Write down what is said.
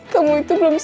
kamu itu belum sanggup